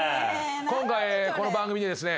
今回この番組でですね。